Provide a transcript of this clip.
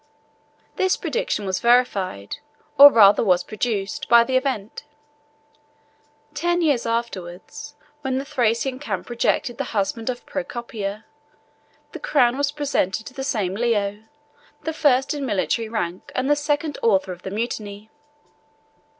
This prediction was verified, or rather was produced, by the event. Ten years afterwards, when the Thracian camp rejected the husband of Procopia, the crown was presented to the same Leo, the first in military rank and the secret author of the mutiny.